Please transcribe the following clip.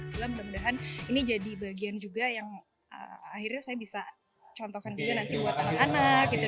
belum mudahan ini jadi bagian juga yang akhirnya saya bisa contohkan juga nanti buat anak anak gitu